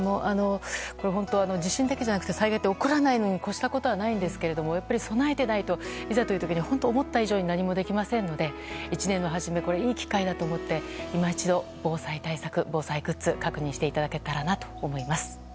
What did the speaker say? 本当に地震だけじゃなく災害って起こらないのに越したことはないんですが備えてないと、いざという時に思った以上に何もできませんから１年の初め、いい機会だと思って今一度、防災対策、防災グッズ確認していただけたらなと思います。